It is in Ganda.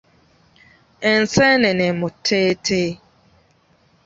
Enseenene mu tteete.